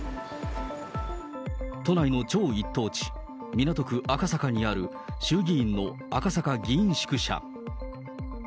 都内の超一等地、港区赤坂にある衆議院の赤坂議員宿舎。